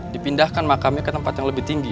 dipindahkan makamnya ke tempat yang lebih tinggi